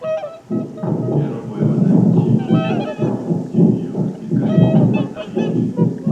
ya robo ya wananchi wa nchi hiyo katika miaka ya sabini